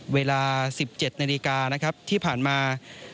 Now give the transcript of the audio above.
เวลา๑๗นาฬิกานะครับที่ผ่านมา